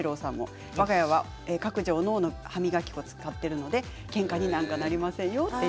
わが家は各自おのおのの歯磨きを使っているのでけんかになりませんよと。